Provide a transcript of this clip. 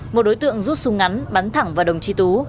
một đối tượng rút súng ngắn bắn thẳng vào đồng chí tú